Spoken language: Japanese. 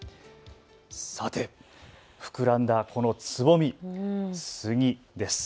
さて膨らんだつぼみ、スギです。